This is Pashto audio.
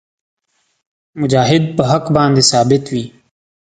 مجاهد په حق باندې ثابت وي.